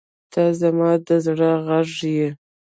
• ته زما د زړه غږ یې.